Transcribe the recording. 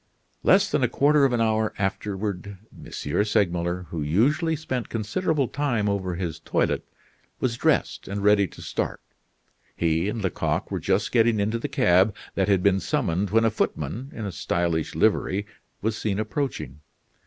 Less than a quarter of an hour afterward M. Segmuller, who usually spent considerable time over his toilet, was dressed and ready to start. He and Lecoq were just getting into the cab that had been summoned when a footman in a stylish livery was seen approaching.